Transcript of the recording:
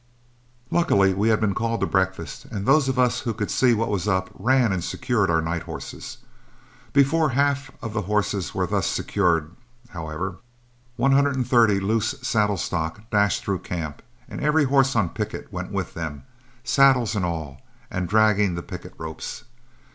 Luckily we had been called to breakfast, and those of us who could see what was up ran and secured our night horses. Before half of the horses were thus secured, however, one hundred and thirty loose saddle stock dashed through camp, and every horse on picket went with them, saddles and all, and dragging the picket ropes.